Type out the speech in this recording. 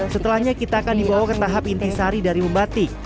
setelahnya kita akan dibawa ke tahap inti sari dari membatik